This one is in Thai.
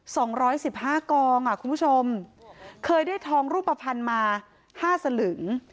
สองร้อยสิบห้ากองอ่ะคุณผู้ชมเคยได้ทองรูปภัณฑ์มาห้าสลึง